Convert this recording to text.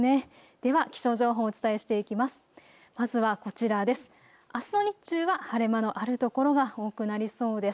では気象情報をお伝えしていきます。